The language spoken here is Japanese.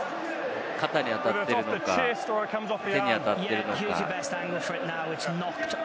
肩に当たっているのか、手に当たっているのか。